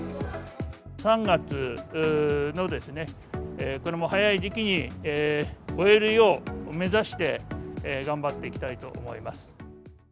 ３月のこれも早い時期に終えるよう目指して頑張っていきたいと思います。